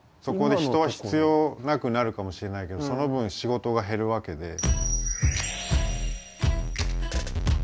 そこで人は必要なくなるかもしれないけどその分仕事が減るわけで。